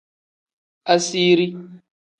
Asiiri.